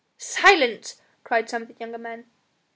"Silence!" cried some of the younger men.